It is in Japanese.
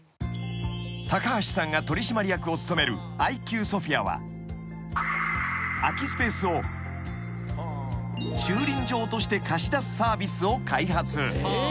［高橋さんが取締役を務めるアイキューソフィアは空きスペースを駐輪場として貸し出すサービスを開発］